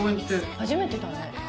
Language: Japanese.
初めてだね。